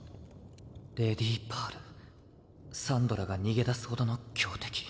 レディパールサンドラが逃げ出すほどの強敵。